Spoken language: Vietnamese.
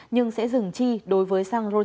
nhưng sẽ dừng chi đối với xăng ron chín mươi hai